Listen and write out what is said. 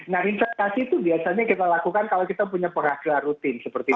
nah investasi itu biasanya kita lakukan kalau kita punya penghasilan rutin seperti itu